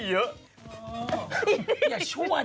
เข้าใส่ไข่สด